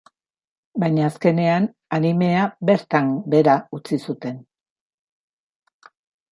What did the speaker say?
Baina azkenean animea bertan behera utzi zuten.